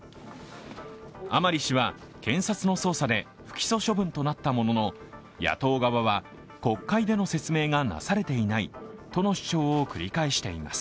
甘利氏は、検察の捜査で不起訴処分となったものの、野党側は、国会での説明がなされていないとの主張を繰り返しています。